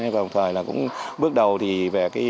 và một thời là cũng bước đầu thì về cái ý